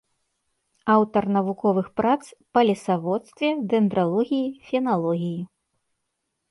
Аўтар навуковых прац па лесаводстве, дэндралогіі, феналогіі.